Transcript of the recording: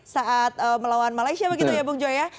saat melawan malaysia begitu ya bung joy ya